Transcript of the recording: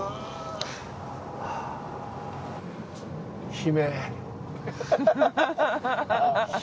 姫。